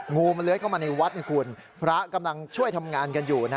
งูมันเลื้อยเข้ามาในวัดนะคุณพระกำลังช่วยทำงานกันอยู่นะ